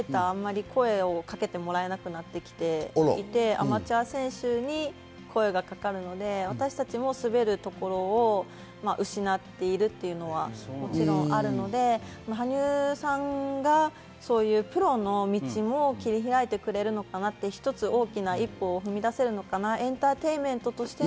プロフィギュアスケーターはなかなか声をかけてもらえなくなっていてアマチュア選手に声がかかるので、私たちも滑るところを失っているというのはもちろんあるので、羽生さんがプロの道も切り開いてくれるのかなと、一つ大きな一歩を踏み出せるのかなと。